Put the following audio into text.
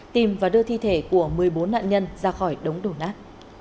tìm và đưa thi thể của một mươi bốn nạn nhân ra khỏi đống đổ nát